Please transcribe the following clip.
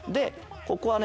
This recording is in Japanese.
ここはね